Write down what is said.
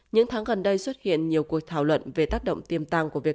những tháng gần đây xuất hiện nhiều cuộc thảo luận về tác động tiềm tàng của việc